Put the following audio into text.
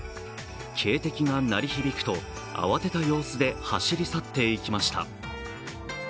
警笛が鳴り響くと慌てた様子で走り去っていきました。